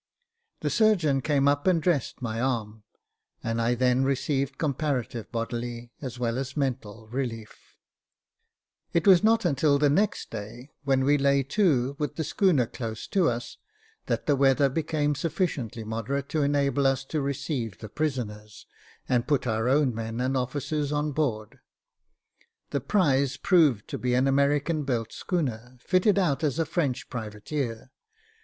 The surgeon came up and dressed my arm, and I then received comparative bodily as well as mental relief. Jacob Faithful 367 It was not until the next day, when we lay to, with the schooner close to us, that the weather became sufficiently moderate to enable us to receive the prisoners and put our own men and officers on board. The prize proved to be an American built schooner, fitted out as a French privateer.